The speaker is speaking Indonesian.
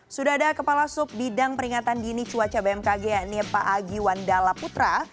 sudah ada kepala sub bidang peringatan dini cuaca bmkg yakni pak agi wandala putra